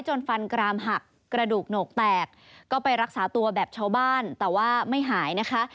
จนฟันกรามหักกระดูกโหนกแตกก็ไปรักษาตัวแบบชาวบ้านแต่ว่าไม่หายนะคะ